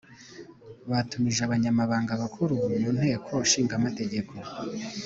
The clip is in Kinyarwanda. Batumije Abanyamabanga Bakuru mu Nteko Ishinga Amategeko